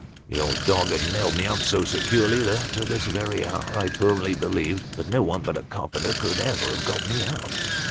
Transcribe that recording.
The old dog had nailed me up so securely, that, to this very hour, I firmly believe that no one but a carpenter could ever have got me out."